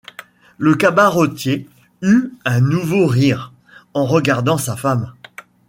Le cabaretier eut un nouveau rire, en regardant sa femme.